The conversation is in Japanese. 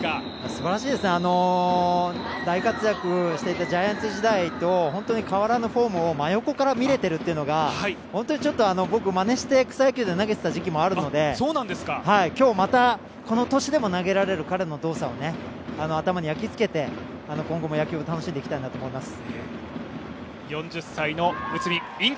すばらしいですね、大活躍していたジャイアンツ時代と本当に変わらぬフォームを真横から見れているというのが、僕、まねして草野球で投げてた時期もあるので今日、またこの年でも投げられる彼の動作を頭に焼き付けて、今後も野球を楽しんでいきたいなと思います。